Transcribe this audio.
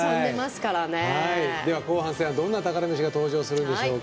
後半戦はどんな宝メシが登場するんでしょうか。